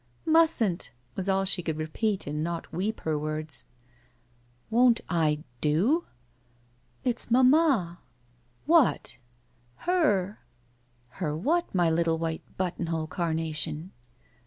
"Mustn't," was all she could repeat and not weep her words. "Won't— I— do?" 43 SHE WALKS IN BEAUTY "It's — ^mamma." "What?" "Her." Her what, my little white buttonhole carna tion?"